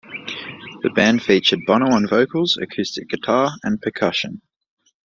The band featured Bono on vocals, acoustic guitar, and percussion.